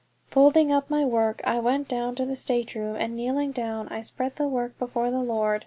Folding up my work I went down to the stateroom, and kneeling down I spread the work before the Lord.